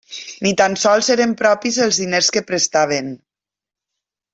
Ni tan sols eren propis els diners que prestaven.